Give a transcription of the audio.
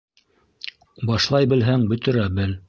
Башлай белһәң, бөтөрә бел